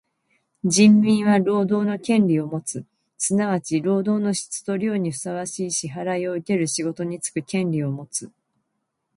人民は労働の権利をもつ。すなわち労働の質と量にふさわしい支払をうける仕事につく権利をもつ。